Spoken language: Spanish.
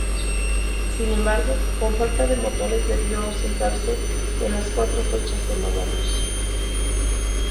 Sin embargo, por falta de motores debió ausentarse en las cuatro fechas en óvalos.